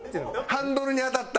ハンドルに当たった！